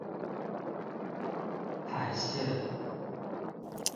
海線